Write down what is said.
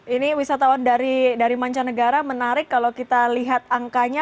ini wisatawan dari mancanegara menarik kalau kita lihat angkanya